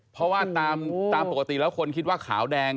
เพราะว่าตามปกติแล้วคนคิดว่าขาวแดง